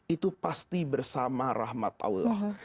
itu pasti bersama rahmat allah